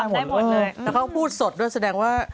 แต่เขาพูดสดด้วยแสดงว่า